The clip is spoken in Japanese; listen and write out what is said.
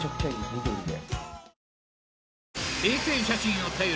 緑で。